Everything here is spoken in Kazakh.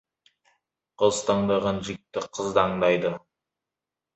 Қыз таңдаған жігітті қыз да аңдайды.